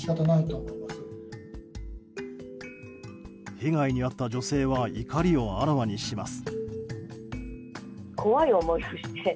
被害に遭った女性は怒りをあらわにします。